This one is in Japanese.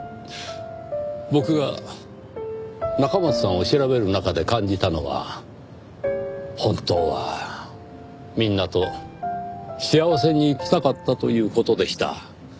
僕が中松さんを調べる中で感じたのは本当はみんなと幸せに生きたかったという事でした。